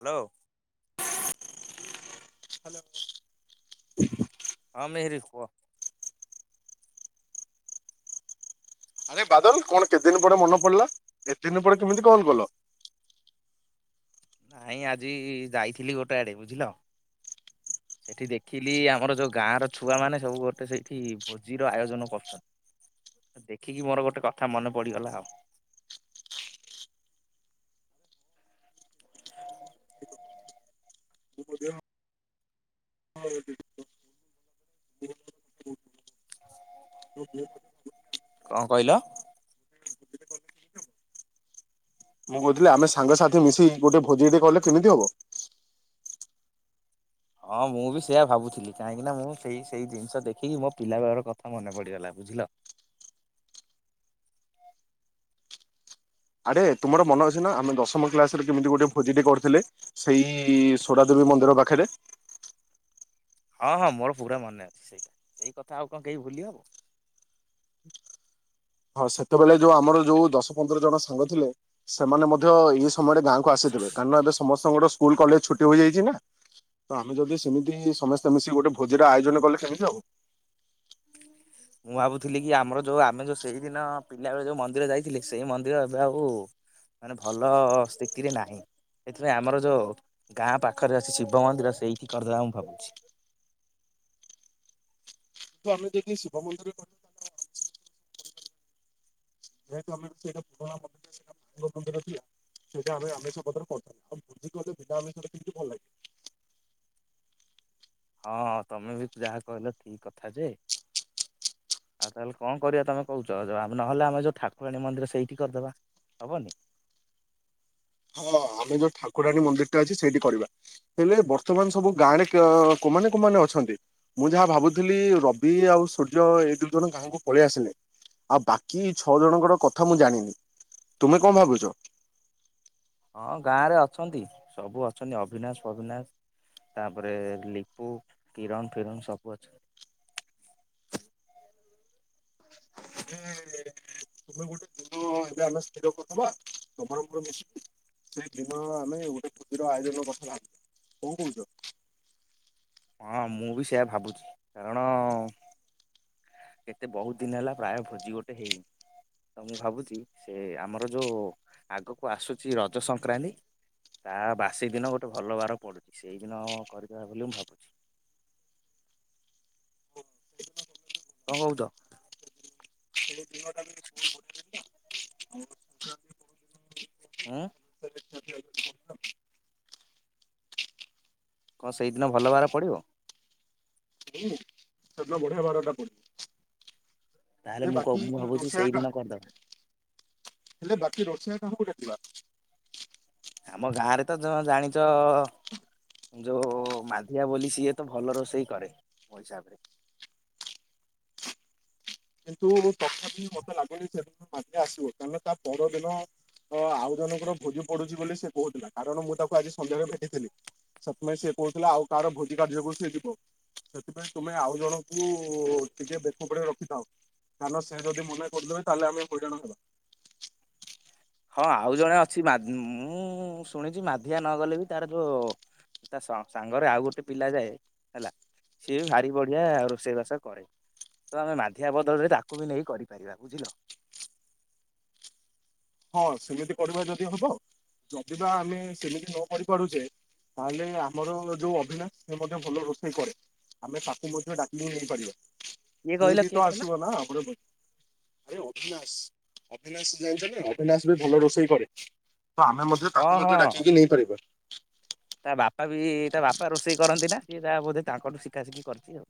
Hello hello ହଁ ମେହେରି କୁହ। ଆରେ ବାଦଲ କଣ କେତେ ଦିନ ପରେ ମନେ ପଡିଲା କେତେ ଦିନ ପରେ କେମିତି କଣ କଲ ନାଇଁ ଆଜି ଯାଇଥିଲି ଗୋଟେ ଆଡେ ବୁଝିଲ ସେଠି ଦେଖିଲି ଆମର ଯୋଉ ଗାଁର ଛୁଆ ମାନେ ସବୁ ଗୋଟେ ସେଇଠି ଭୋଜିର ଆୟୋଜନ କରୁଛନ୍ତି ଦେଖିକି ମୋର ଗୋଟେ କଥା ମନେ ପଡିଗଲା ଆଉ। ହଉ ବ କଣ କହିଲ ମୁଁ କହୁଥିଲି ଆମେ ସାଙ୍ଗସାଥି ମିଶି ଗୋଟେ ଭୋଜି ଟିକେ କଲେ କେମିତି ହବ ହଁ ମୁଁ ବି ସେୟଆ ଭାବୁଥିଲି କାହିଁକି ନା ମୁଁ ସେଇ ସେଇ ଜିନିଷ ଦେଖିକି ମୋ ପିଲା ବେଳର କଥା ମନେ ପଡିଗଲା ବୁଝିଲ ଆରେ ତୁମର ମନ ଅଛି ନା ଆମେ ଦଶମ କ୍ଲାସରେ କେମିତି ଗୋଟେ ଭୋଜିଟି କରିଥିଲେ ସେଇ ସୋଡ଼ା ଦେବୀ ମନ୍ଦିର ପାଖରେ ହଁ ହଁ ମୋର ପୁରା ମନେ ଅଛି ସେଇଟା ସେଇ କଥା ଆଉ କଣ କେହି ଭୁଲି ହବ ହଁ ସେତେବେଳେ ଯୋଉ ଆମର ଯୋଉ ଦଶ ପନ୍ଦର ଜଣ ସାଙ୍ଗ ଥିଲେ ସେମାନେ ମଧ୍ୟ ଏଇ ସମୟରେ ଗାଁକୁ ଆସିଥବେ କାରଣ ଏବେ ସମସ୍ତେ ସ୍ଲ କଲେଜ ଛୁଟି ହେଇଯାଇଛି ନା ତ ଆମେ ଯଦି ସେମିତି ସମସ୍ତେ ମିଶିକି ଗୋଟେ ଭୋଜିର ଆୟୋଜନ କଲେ କେମିତି ହଉ ମୁଁ ଭାବୁଥିଲି କି ଆମର ଯୋଉ ଆମେ ଯୋଉ ସେଇଦିନ ପିଲାବେଳେ ଯୋଉ ମନ୍ଦିର ଯାଇଥିଲି ସେଇ ମନ୍ଦିର ଏବେ ଆଉ ମାନେ ଭଲ ସ୍ଥିତିରେ ନାହିଁ ସେଥିପାଇଁ ଆମର ଯୋଉ ଗାଁ ପାଖରେ ଅଛି ଶିବ ମନ୍ଦିର ସେଇଠି କରିଦେବା ମୁଁ ଭାବୁଛି। କିନ୍ତୁ ଆମେ ଯକି ଶିବ ମନ୍ଦିରଛ ଯେେତୁ ଆମେ ସେଟା ପୁରୁଣା ମନ୍ଦିର ସୋ ମାଙ୍ଗ ମନ୍ଦିର ଥିଲା ସେଇଟା ଆମେ ଆମିଷ ପରେ କରି ଆଉ ଭୋଜି କେ ବିନା ଆମିଷ କେମି ଭଲ ଲାଗେ ହଁ ତମେ ବି ଯାହା କହିଲ ଠିକ କଥା ଯେ ଆଉ ତାହେଲେ କଣ କରିବା ତମେ କହୁଛ ଆ ନହେଲେ ଆମେ ଯୋଉ ଠାକୁରାଣୀ ମନ୍ଦିର ସେଇଠି କରିଦବା ହବନି ହଁ ଆମେ ଯୋଉ ଠାକୁରାଣୀ ମନ୍ଦିରଟା ଅଛି ସେଇଠି କରିବା ହେଲେ ବର୍ତମାନ ସବୁ ଗାଁରେ କୋମାନେ କୋମାନେ ଅଛନ୍ତି ମୁଁ ଯାହା ଭାବୁଥିଲି ରବି ଆଉ ସୂର୍ଯ୍ୟ ଏଇ ଦୁଇ ଜଣ କାହାକୁ ପଳେଇ ଆସିଲେ ଆଉ ବାକି ଛଅ ଜଣଙ୍କର କଥା ମୁଁ ଜାଣିନି ତୁମେ କଣ ଭାବୁଛ। ହଁ ଗାଁରେ ଅଛନ୍ତି ସବୁ ଅଛନ୍ତି ଅଭିିନାଶ ଫଭିିନାଶ ତାପରେ ଲିପୁ କିରଣ ଫିରଣ ସବୁ ଅଛନ୍ତି। [inaudible] ହେଲେ ତମେ ଗୋଟେ ଦିନ ଏବେ ଆମେ ସ୍ଥିର କରିବାବରପୁର ମିଶିବ ସେ ଦିନ ଆମେ ଗୋଟେ କୁର ଆୟୋଜନ କଥା ଲାଗିବା କ କହୁଛ। ହଁ ମୁଁ ବି ସେୟା ଭାବୁଛି କାରଣ କେତେ ବହୁତ ଦିନ ହେଲା ପ୍ରାୟ ଭୋଜି ଗୋଟେ ହେଇି ତ ମୁଁ ଭାବୁଛି ସେ ଆମର ଯୋଉ ଆଗକୁ ଆସୁଛି ରଜ ସଂକ୍ରାନ୍ତି ତା ବାସି ଦିନ ଗୋଟେ ଭଲ ବାର ପଡୁଛି ସେଇଦିନ କରିଦେବା ବୋଲି ମୁଁ ଭାବୁଛି କଣ କହୁଛ ସେ ଦିନଟା ବି ବହୁତ ବଢିଆ ଆହୁ ହଁ [inaudible] କଣ ସେଇଦିନ ଭଲ ଭାର ପଡିବ ସେତିଲ ବଢ଼ଆ ଭାରଟ ପ ତାହେଲେ ଯେ ମୁଁ କ ବାକି ମୁଁ ଭାବୁଛି ରୋଷେଇ କ ସେଇଦିନ କରିଦବା ହେଲେ ବାକି ରୋଷେଇ କୋଟେ ଯିବା ଆମ ଗାଁ ରେ ତ ଜାଣିଛ ଯୋଉ ମାଧିଆ ବୋଲି ସିଏ ତ ଭଲ ରୋଷେଇ କରେ ମୋ ହିସାବରେ କିନ୍ତୁ ତଥାପି ମତେ ଲାଗୁନ ସେ ମାାନ ଆସିବ କାରଣ ତା ପରଦିନ ଆଉ ଜଣଙ୍କର ଭୋଜି ପଡୁଛି ବୋଲି ସେ କହୁଥିଲା କାରଣ ମୁଁ ତାକୁ ଆଜି ସନ୍ଧ୍ୟାାରେ ଭେଟିଥିଲି ସେଥିପାଇଁ ସେ କହୁଥିଲା ଆଉ କାହାର ଭୋଜି କାର୍ଯ୍ୟକୁ ସି ଯିବ ସେଥିପାଇଁ ତୁମେ ଆଉ ଜଣଙ୍କୁ ଟିକେ ବେଖ ପ ରଖିଥାଉ ତାଲେ ସେ ଯଦି ମନେ କରିଦେବେ ତାହେଲେ ଆମେ ହଇଜଣ ହେବା ହଁ ଆଉ ଜଣେ ଅଛି ମୁଁ ଶୁଣିଛି ମାଧିଆ ନ ଗଲେ ବି ତାର ଯୋଉ ତା ସାଙ୍ଗରେ ଆଉ ଗୋଟେ ପିଲା ଯାଏ ହେଲା ସିଏ ବି ଭାରି ବଢିଆ ରୋଷେଇବାସ କରେ ତ ଆମେ ମାଧିଆ ବଦଳରେ ତାକୁ ବି ନେଇ କରିପାରିବା ବୁଝିଲ ହଁ ସେମିତି କରିବା ଯଦି ହବ ଯଦି ବା ଆମେ ସେମିତି ନ କରି ପାରୁଛେ ତାହେଲେ ଆମର ଯୋଉ ଅଭିନାଶ ସେ ମଧ୍ୟ ଭଲ ରୋଷେଇ କରେ ଆମେ ତାକୁ ମଧ୍ୟ ଡାକିକି ନେଇପାରିବା କିଏ କହିଲ ସେଇଠ କିଏ ତ କହିଲ ଆସିବ ନା ଆ ଆରେ ଅଭିନାଶ ଅବିନାଶ ଯାଉ ନା ଏମାନେ ଆସିବ ଭଲ ରୋଷେଇ କ ତ ଆମେ ମଧ୍ୟ ହଁ ତାକୁ ହଁ ମଧ୍ୟ ଡାକେଇିକି ନେଇପାରିବା [inaudible] ତା ବାପା ବି ତା ବାପା ରୋଷେଇ କରନ୍ତି ନା ସିଏ ତା ବୋଧେ ତାଙ୍କଠୁ ଶିଖା ଶିଖି କରିଛି ଆଉ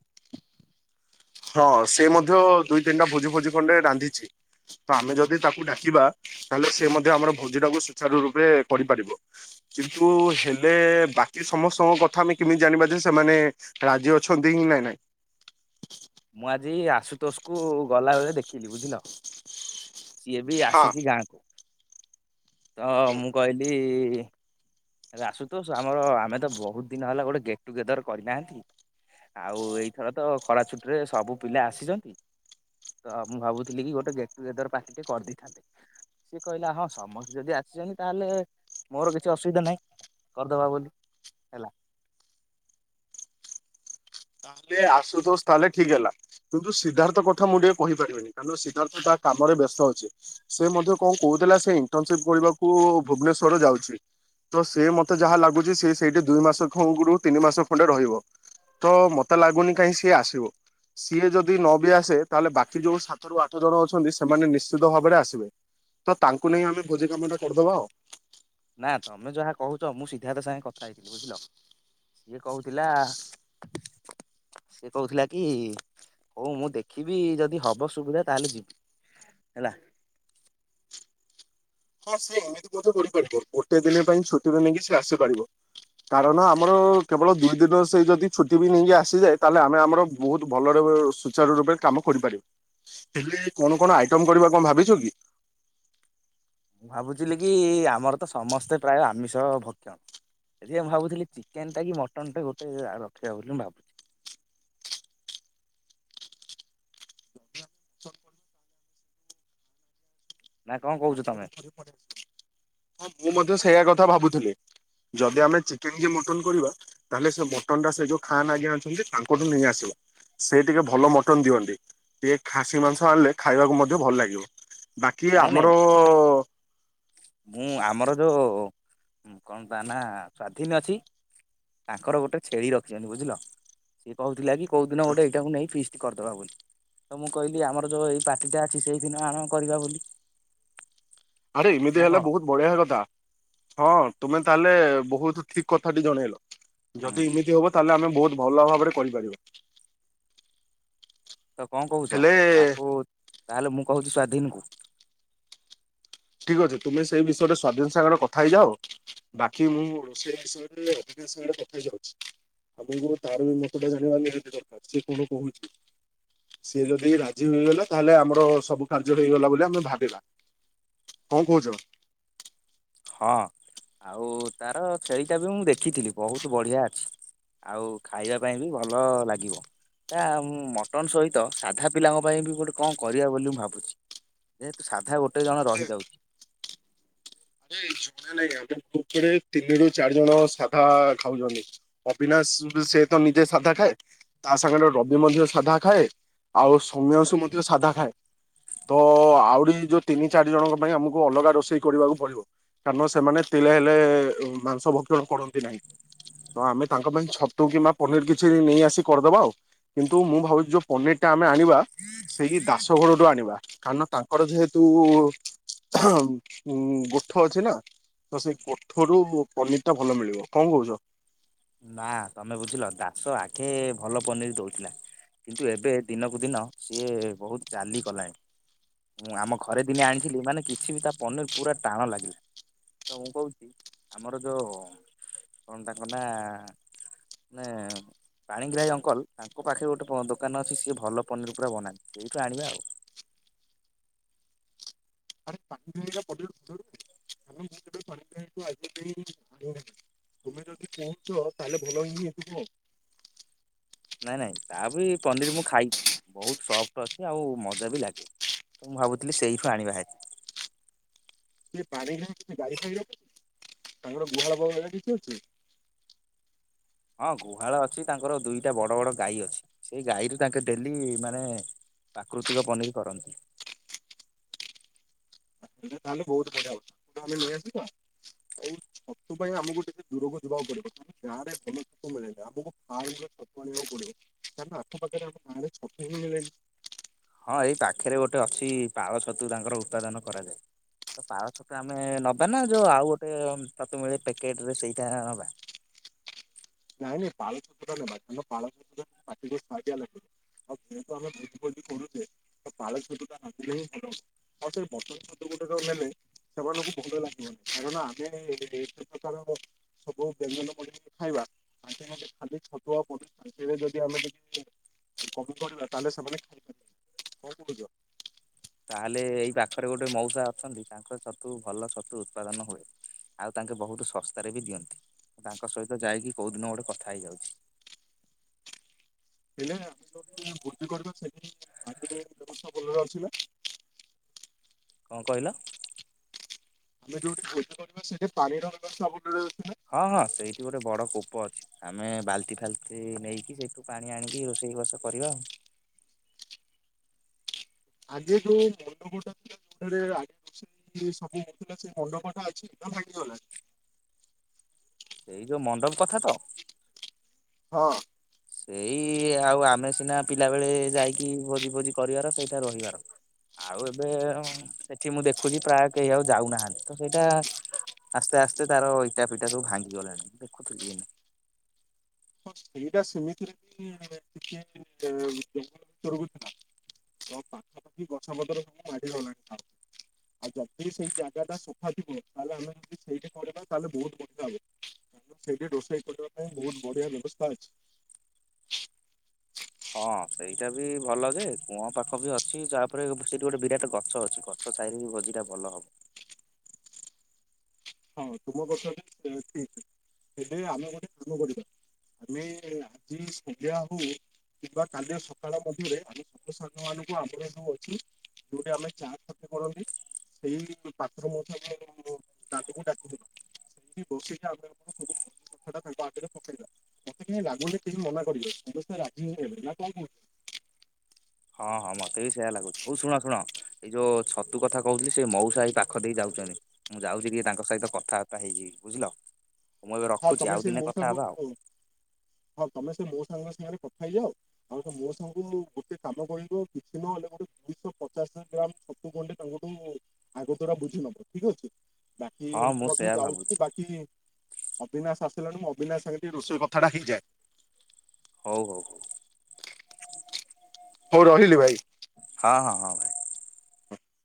ହଁ ସେ ମଧ୍ୟ ଦୁଇ ତିନିଟା ଭୋଜି ଭୋଜି ଖଣ୍ଡେ ରାନ୍ଧିଛି ତ ଆମେ ଯଦି ତାକୁ ଡାକିବା ତାହେଲେ ସେ ମଧ୍ୟ ଆମର ଭୋଜି ଟାକୁ ସୁଚାର ରୂପେ କରିପାରିବ କିନ୍ତୁ ହେଲେ ବାକି ସମସ୍ତଙ୍କ କଥା ଆମେ କେମିତି ଜାଣିବା ଯେ ସେମାନେ ରାଜି ଅଛନ୍ତି କି ନାଇଁ ନାଇଁ ମୁଁ ଆଜି ଆଶୁତୋଷକୁ ଗଲା ବଳେ ଦେଖିଲି ବୁଝିଲ ସିଏ ବି ହଁ ଆସିଛି ଗାଁକୁ। ତ ହୁଁ ମୁଁ କହିଲି ଏ ଆରେ ଆଶୁତୋଷ ଆମର ଆମେ ତ ବହୁତ ଦିନ ହେଲା ଗୋଟେ ଗେଟ ଟୁଗେଦର କରିନାହାଁନ୍ତି ଆଉ ଏଇଥର ତ ଖରା ଛୁଟିରେ ସବୁ ପିଲା ଆସିଛନ୍ତି ତ ମୁଁ ଭାବୁଥିଲି କି ଗୋଟେ ଗେଟ୍ ଟୁଗେଦର ପାଟି ଟିକେ କରିଦେଇଥାନ୍ତେ ସିଏ କହିଲା ହଁ ସମସ୍ତେ ଯଦି ଆସିଛନ୍ତି ତାହେଲେ ମୋର କିଛି ଅସୁବିଧା ନାହିଁ। କରିଦବା ବୋଲି ହେଲା। ତାହେଲେ ଆଶୁତୋଷ ତାହେଲେ ଠିକ ହେଲା କିନ୍ତୁ ସିଦ୍ଧାର୍ଥ କଥା ମୁଁ ଟିକେ କହିପାରିବିନି କାରଣ ସିଦ୍ଧାର୍ଥ ତା କାମରେ ବ୍ୟସ୍ତ ଅଛି ସେ ମଧ୍ୟ କଣ କହୁଥିଲା ସେ ଇଣ୍ଟରନସିପ କରିବାକୁ ଭୁବନେଶ୍ୱର ଯାଉଛି ତ ସେ ମତେ ଯାହା ଲାଗୁଛି ସେ ସେଇଠି ଦୁଇ ମାସ ଖରୁୁ ତିନି ମାସ ଖଣ୍ଡେ ରହିବ। ତ ମତେ ଲାଗୁନି କାହିଁ ସିଏ ଆସିବ ସିଏ ଯଦି ନ ବି ଆସେ ତାହେଲେ ବାକି ଯୋଉ ସାତରୁ ଆଠ ଜଣ ଅଛନ୍ତି ସେମାନେ ନିଶ୍ଚିତ ଭାବରେ ଆସିବେ ତ ତାଙ୍କୁ ନେଇ ଆମେ ଭୋଜି କାମଟା କରିଦବା ଆଉ। ନା ତମେ ଯାହା କହୁଛ ମୁଁ ସିଦ୍ଧାର୍ଥ ସାଙ୍ଗେ କଥା ହେଇଥିଲି ବୁଝିଲ ସିଏ କହୁଥିଲା ସିଏ କହୁଥିଲା କି ହଉ ମୁଁ ଦେଖିବି ଯଦି ହବ ସୁବିଧା ତାହେଲେ ଯିବି ହେଲା। ହଁ ସେ ଏମତିପାର ଗୋଟେ ଦିନ ପାଇଁ ଛୁଟିରେ ନେଇକି ସେ ଆସିପାରିବ କାରଣ ଆମର କେବଳ ଦୁଇ ଦିନରେ ସେଇ ଯଦି ଛୁଟି ବି ନେଇକି ଆସିଯାଏ ତାହଲେ ଆମେ ଆମର ବହୁତ ଭଲରେ ସୁଚାର ରୂପରେ କାମ କରିପାରିବ ହେ କଣ କଣ ଆଇଟମ କରିବା କଣ ଭାବିଛୁ କି? ମୁଁ ଭାବୁଥିଲି କି ଆମର ତ ସମସ୍ତେ ପ୍ରାୟ ଆମିଷ ଭକ୍ଷଣ ଏତିକି ମୁଁ ଭାବୁଥିଲି ଚିକେନ ଟା କି ମଟନ ଟା ଗୋଟେ ରଖିବା ବୋଲି ମୁଁ ଭାବୁଛି। ନା କଣ କହୁଛ ତମେ? [unintelligible] ମୁଁ ମଧ୍ୟ ସେଇଆ କଥା ଭାବୁଥିଲି ଯଦି ଆମେ ଚିକେନ କି ମଟନ କରିବା ତାହେଲେ ସେ ମଟନ୍ଟା ସେ ଯଉ ଖାନ୍ ଆଜ୍ଞା ଅଛନ୍ତି ତାଙ୍କଠୁ ନେଇ ଆସିବା ସେ ଟିକେ ଭଲ ମଟନ ଦିଅନ୍ତି ଟିକେ ଖାସି ମାଂସ ଆଣିଲେ ଖାଇବାକୁ ମଧ୍ୟ ଭଲ ଲାଗିବ। ବାକି ନାଇଁ ନାଇଁ ଆମର ଓ ମୁଁ ଆମର ଯୋଉ କଣ ତା ନା ସ୍ଵାଧୀନ ଅଛି ତାଙ୍କର ଗୋଟେ ଛେଳି ରଖିଛନ୍ତି ବୁଝିଲ ସିଏ କହୁଥିଲା କି କୋଉ ଦିନ ଗୋଟେ ଏଇଟାକୁ ନେଇ ଫିଷ୍ଟ କରିଦବା ବୋଲି ତ ମୁଁ କହିଲି ଆମର ଯୋଉ ଏଇ ପାର୍ଟିଟା ଅଛି ସେଇଦିନ ଆଣ କରିବା ବୋଲି। ଆରେ ଏମିତି ନା ହେଲେ କଣ? ବହୁତ ବଢିଆ କଥା ହଁ ତୁମେ ତାହେଲେ ବହୁତ ବହୁତ ଠିକ କଥାଟି ଜଣେଇଲ ହୁଁ ଯଦି ଏମିତି ହବ ତାହେଲେ ଆମେ ବହୁତ ଭଲ ଭାବରେ କରିପାରିବା। ତ କଣ କହୁଛ ହେଲେ ତାହାକୁ ତାହେଲେ ମୁଁ କହୁଛି ସ୍ଵାତୀ ଦିନକୁୁ ଠିକ ଅଛି ତୁମେ ସେଇ ବିଷୟରେ ସ୍ୱାଧୀନ ସାଙ୍ଗରେ କଥା ହେଇଯାଅ ବାକି ମୁଁ ସେ ବିଷୟରେ ଅବିନାଶ ସାଙ୍ଗରେ କଥା ହେଇଯାଉଛି ଆପଣ ତାର ବି ମତଟା ଜାଣିବା ନିହାତି ଦରକାର ସିଏ କଣ କହୁଛି ସିଏ ଯଦି ବି ରାଜି ହେଇଗଲା ତାହେଲେ ଆମର ସବୁ କାର୍ଯ୍ୟ ହେଇଗଲା ବୋଲି ଆମେ ଭାବିବା। କଣ କହୁଛ? ହଁ ଆଉ ତାର ଛେଳିଟା ବି ମୁଁ ଦେଖିଥିଲି ବହୁତ ବଢିଆ ଅଛି ଆଉ ଖାଇବା ପାଇଁ ବି ଭଲ ଲାଗିବ ତା ମଟନ ସହିତ ସାଧା ପିଲାଙ୍କ ପାଇଁ ବି ଗୋଟେ କଣ କରିବା ବୋଲି ମୁଁ ଭାବୁଛି ଯେହେତୁ ସାଧା ସାଧା ଗୋଟେ ଜଣ ଆରେ ରହିଯାଉଛି। ନ ଜଣେ ନାଇଁ ଆମରେ ତିନିରୁୁ ଚାରି ଜଣ ସାଧା ଖାଉଛନ୍ତି ଅବିନାଶ ସେତ ନିଜେ ସାଧା ଖାଏ ତା ସାଙ୍ଗରେ ରବି ମଧ୍ୟ ସାଧା ଖାଏ ଆଉ ସୋମ୍ୟଂଶୁ ମଧ୍ୟ ସାଧା ଖାଏ ତ ଆହୁରି ଯୋଉ ତିନି ଚାରି ଜଣଙ୍କ ପାଇଁ ଆମକୁ ଅଲଗା ରୋଷେଇ କରିବାକୁ ପଡ଼ିବ କାରଣ ସେମାନେ ତିଳେ ହେଲେ ମାଂସ ଭକ୍ଷଣ କରନ୍ତି ନାହିଁ ତ ଆମେ ତାଙ୍କ ପାଇଁ ଛତୁ କିମ୍ବା ପନିର କିଛି ନେଇ ଆସି କରିଦବା ଆଉ କିନ୍ତୁ ମୁଁ ଭାବୁଛି ଯୋଉ ପନିର ଟା ଆମେ ଆଣିବା ସେଇ ଦାସ ଠୁ ଆଣିବା କାରଣ ତାଙ୍କର ଯେହେତୁ ଗୋଠ ଅଛି ନା ତ ସେଇ ଗୋଠ ରୁ ପନିର ଟା ଭଲ ମିଳିବ କଣ କହୁଛ? ନା ତମେ ବୁଝିଲ ଦାସ ଆଗେ ଭଲ ପନିର ଦଉଥିଲା କିନ୍ତୁ ଏବେ ଦିନକୁ ଦିନ ସିଏ ବହୁତ ଚାଲି କଲାଣି ମୁଁ ଆମ ଘରେ ଦିନେ ଆଣିଥିଲି ମାନେ କିଛି ବି ତା ପନିର ପୁରା ଟାଣ ଲାଗିଲା ତ ମୁଁ କହୁଛି ଆମର ଯୋଉ କଣ ତାଙ୍କ ନା ମାନେ ପାଣିଗ୍ରାହୀ ଅଙ୍କଲ ତାଙ୍କ ପାଖରେ ଗୋଟେ ଦୋକାନ ଅଛି ସିଏ ଭଲ ପନିର ପୁରା ବନାନ୍ତି ସେଇଠୁ ଆଣିବା ଆଉ। ଆରେ ପାଖରେ ସେଇଟା ପନିର ଆ ମୁଁ କେବେ ପାଣି ପାଣିୁ ଆଗ ଆଣିବି ତମେ ଯଦି କହୁଛ ତାହେଲେ ଭଲ ହିଁ ହେଇଥିବ ଆଉ [unintelligible] ନାଇଁ ନାଇଁ ତା ବି ପନିର ମୁଁ ଖାଇଛି ବହୁତ ସଫ୍ଟ ଅଛି ଆଉ ମଜା ବି ଲାଗେ ତ ମୁଁ ଭାବୁଥିଲି ସେଇଠୁ ଆଣିବା ହେରି। ପାଣିଗ୍ରାହୀଙ୍କ ଗାଈ ଫାଇ ଅଛି ତାଙ୍କର ଗୁହାଳ ବହୁ କିଛି ଅଛି। ହଁ ଗୁହାଳ ଅଛି ତାଙ୍କର ଦୁଇଟା ବଡ ବଡ ଗାଈ ଅଛି ସେଇ ଗାଈରୁ ତାଙ୍କେ ଡେଲି ମାନେ ପ୍ରାକୃତିକ ପନିର କରନ୍ତି। ହେଲେ ତାହେଲେ ବହୁତ ବଢିଆ ହବ ଆମେ ନେଇଆସିବା ଆଉ ଛତୁ ପାଇଁ ଆମକୁ ଟିକେ ଦୂରକୁ ଯିବାକୁ ପଡିବ ଆ ଗାଁ ରେ ଭଲ ଛତୁ ମିଳେନି ଆମକୁ ଫାର୍ମରୁ ଛତୁ ଆଣିବାକୁ ପଡିବ କାରଣ ଆଖପାଖରେ ଆମ ଗାଁ ରେ ଛତୁ ହିଁ ମିଳେନି। ହଁ ଏଇ ପାଖରେ ଗୋଟେ ଅଛି ପାଳ ଛତୁ ତାଙ୍କର ଉତ୍ପାଦନ କରାଯାଏ ତ ପାଳ ଛତୁ ଆମେ ନବା ନା ଯୋଉ ଆଉ ଗୋଟେ ତୁ ମିଳେ ପ୍ୟାକେଟରେ ସେଇଟା ନବା। ନାଇଁ ନାଇଁ ପାଳ ଛତୁଟା ନେବା କାର ପାଳ ଛତୁଟା ପାଟିକୁ ସୁଆଦିଆ ଲାଗିବ ଆଉ ଯେହେତୁ ଆମେ ଭୋଜି ଭୋଜି ପାଳ ଛତୁଟା ନାଗିଲେ ହିଁ ଭଲ ହୁ ଆଉ ସେ ବଟନ ଛତୁ ଗୁଡାକ ନେଲେ ସେମାନଙ୍କୁ ଭଲ ଲାଗିବନି କାରଣ ଆମେ ଏତେ ପ୍ରକାର ସବୁ ବ୍ୟଞ୍ଜନ ମ ଖାଇବା ଆଜ୍ଞା ଆ ଖାଲି ଛତୁଆ ପଶା ସେରେ ଯଦି ଆମେ ଟିକେ କମି ପିବା ତାହେଲେ ସେମାନେ ଖାଇପାରିବେ କଣ କରୁଛ। ତାହେଲେ ଏଇ ପାଖରେ ଗୋଟେ ମଉସା ଅଛନ୍ତି ତାଙ୍କର ଛତୁ ଭଲ ଛତୁ ଉତ୍ପାଦନ ହୁଏ ଆଉ ତାଙ୍କେ ବହୁତ ଶସ୍ତାରେ ବି ଦିଅନ୍ତି ତାଙ୍କ ସହିତ ଯାଇକି କୋଉ ଦିନ ଗୋଟେ କଥା ହେଇଯାଉଛି। ହେଲେ ଆମେ ଯୋଉଠି ବୃଧ କର ସେ ପା ବ୍ୟବସ୍ଥା ଭଲରେ ଅସ କଣ କହିଲ ଆମେ ଯୋଉଠି ପୂଜା କରିବା ସେଠି ପାଣିର ସବୁ ହଁ ହଁ ସେଇଠି ଗୋଟେ ବଡ କୋପ ଅଛି ଆମେ ବାଲଚ ଫାଲତି ନେଇକି ସେଇଠୁ ପାଣି ଆଣିକି ରୋଷେଇବାସ କରିବା ଆ ଆଗେ ଯୋଉ ମଣ୍ଡପଟା ଥିଲା ଯୋଉଠ ଆଗ ରୋଷେଇ ସବୁ ହଉଥିଲା ସେ ମଣ୍ଡପଟା ଅଛି ଭାଙ୍ଗିଗଲାଣି। ସେଇ ଯୋଉ ମଣ୍ଡପ କଥା ତ? ହଁ ସେଇ ଆଉ ଆମେ ସିନା ପିଲା ବେଳେ ଯାଇକି ଭୋଜି ଭୋଜି କରିବାର ସେଇଟା ରହିବାର ଆଉ ଏବେ ସେଠି ମୁଁ ଦେଖୁଛି ପ୍ରାୟ କେହି ଆଉ ଯାଉନାହାନ୍ତି। ତ ସେଇଟା ଆସ୍ତେ ଆସ୍ତେ ତାର ଇଟା ଫିଟା ସବୁ ଭାଙ୍ଗି ଗଲାଣି ଦେଖୁଥିଲି ଏଇନା ହଁ ସେଇଟା ସେମିତିରେ ବି ଟିକେ ଜଙ୍ଗଲ ଭିତରକୁ ଥିଲା ତ ପାଖାପାଖି ଗଛ ମତର ସବୁ ମାଡ଼ିିଗଲାଣି ଆଉ ଯଦି ସେଇ ଜାଗା ଟା ସଫା ଥିବ ତାହେଲେ ଆମେ ଯଦି ସେଇଠି କରିବା ତାହେଲେ ବହୁତ ବଢିଆ ହବ ସେଇଠି ରୋଷେଇ କରିବା ପାଇଁ ବହୁତ ବଢିଆ ବ୍ୟବସ୍ଥା ଅଛି। ହଁ ସେଇଟା ବି ଭଲ ଯେ କୂଅ ପାଖ ବି ଅଛି ତାପରେ ସେଇଠି ଗୋଟେ ବିରାଟ ଗଛ ଅଛି ଗଛ ସାଇରେ ବି ଭୋଜିଟା ଭଲ ହବ। ହଁ ତୁମ କଛ ଠିକ ହେଲେ ଆମେ ଗୋଟେ କାମ କରିବା ଆମେ ଆଜି ସନ୍ଧ୍ୟା ହଉ କିମ୍ବା କାଲି ସକାଳ ମଧ୍ୟରେ ଆମ ସବ ସାଙ୍ଗ ମାନଙ୍କୁ ଆମର ଯୋଉ ଅଛି ଯୋଉଠି ଆମେ ଚା କତି କରନ୍ତି ସେଇ ପାତ୍ର ମଧ୍ୟ ତାକୁ ଡାକି ସେ ବସି କି ଆଗରେ ପକେଇବା ମତେ କେହି ଲାଗୁେ କେହି ମନା କରିବେ ସମେ ରାଜି ନା କଣ କହୁଛୁ। ହଁ ହଁ ମତେ ବି ସେଇୟଆ ଲାଗୁଛି ହଉ ଶୁଣ ଶୁଣ ଏଇ ଯୋଉ ଛତୁ କଥା କହୁଥିଲି ସେ ମଉସାହିଇ ପାଖ ଦେଇ ଯାଉଛନ୍ତି ମୁଁ ଯାଉଛି କିଏ ତାଙ୍କ ସହିତ କଥାବାର୍ତ୍ତା ହେଇଯିବି ବୁଝିଲ ମୁଁ ଏବେ ହଁ ରଖୁଛି ତମେ ଆଉ ସେ ଦିନେ ମୋ କଥା ସାଙ୍ଗ ହବା ଆଉ। ହଁ ତମେ ସେ ମୋ ସାଙ୍ଗ ସାଙ୍ଗରେ ଖାଇଯାଅ ଆଉ ତ ମୋ ସାଙ୍ଗୁ ଗୋଟେ କାମ କରିବ କିଛି ନହେଲେ ଗୋଟେ ଦୁଇଶହ ପଚାଶ ଗ୍ରାମ ସତୁ ଖଣ୍ଡେ ତାଙ୍କଠୁ ଆଗ ଦଵର ବୁଝି ନବ ଠିକ ଅଛି। ବାକି ହଁ ମୁଁ ମଧ୍ୟ ସେୟା ଭାବୁଛି ଯାଉଛି ବାକି ଅବିନାଶ ଆସିଲାଣି ମୁଁ ଅବିନାଶ ସାଙ୍ଗେ ଟିକେ ରୋଷେଇ କଥାଟା ହେଇଯାଏ। ହଉ ହଉ ହଉ ହଉ ରହିଲି ଭାଇ। ହଁ ହଁ ହଁ ଭାଇ।